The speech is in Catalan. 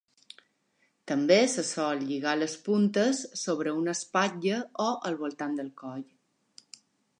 També se sol lligar les puntes sobre una espatlla o al voltant del coll.